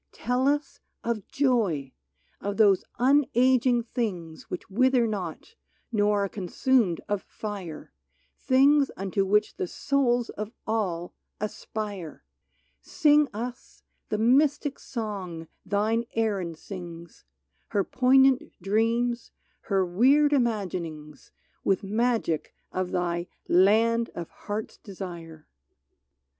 Tell us of joy — of those unaging things Which wither not, nor are consumed of fire, Things unto which the souls of all aspire ! Sing us the mystic song thine Erin sings, Her poignant dreams, her weird imaginings. With magic of thy " Land of Heart's Desire